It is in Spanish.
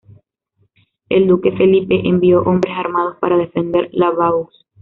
El Duque Felipe envió hombres armados para defender Lavaux.